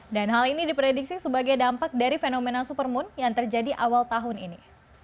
dan hal ini diprediksi sebagai dampak dari fenomena supermoon yang terjadi awal tahun ini